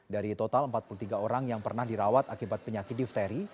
dari total empat puluh tiga orang yang pernah dirawat akibat penyakit difteri